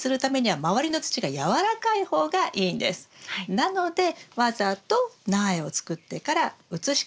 なのでわざと苗を作ってから移し替える。